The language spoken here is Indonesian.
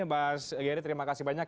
mas geri terima kasih banyak